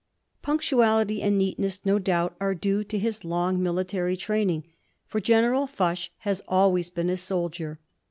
Punctuality and neatness no doubt are due to his long military training, for General Foch has always been a soldier.